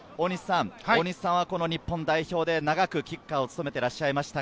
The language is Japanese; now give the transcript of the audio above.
大西さんは日本代表で長くキッカーを務めていらっしゃいました。